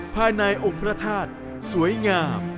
ภายในองค์พระธาตุสวยงาม